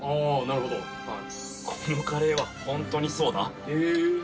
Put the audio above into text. なるほどこのカレーはホントにそうなええ